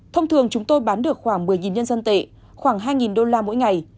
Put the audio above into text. thông thường chúng tôi bán được khoảng một mươi nhân dân tệ khoảng hai đô la mỗi ngày